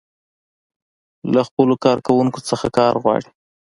له خپلو کارکوونکو څخه کار غواړي.